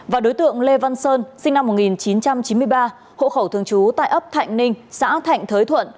và đối tượng lê văn sơn sinh năm một nghìn chín trăm chín mươi ba hộ khẩu thường trú tại ấp thạnh ninh xã thạnh thới thuận